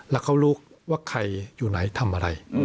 แล้วเขารู้ว่าใครอยู่ไหนทำอะไร